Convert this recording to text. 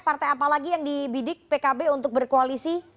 partai apalagi yang dibidik pkb untuk berkoalisi